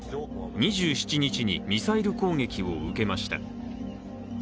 ２７日にミサイル攻撃を受けました。